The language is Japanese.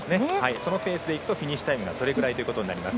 そのペースでいくとフィニッシュタイムがそれくらいということになります。